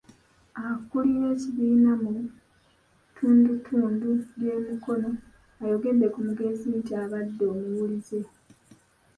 Akulira ekibiina mu ttundutundu ly'e Mukono ayogedde ku mugenzi nti abadde omuwulize.